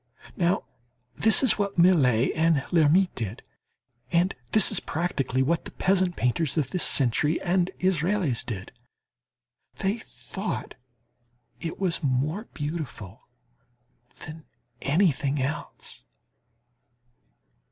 Now, this is what Millet and Lhermitte did, and this is practically what the peasant painters of this century and Israels did. They thought it was more beautiful than anything else.